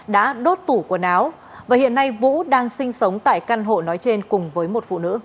đã đốt tủ quần áo và hiện nay vũ đang sinh sống tại căn hộ nói trên cùng với một phụ nữ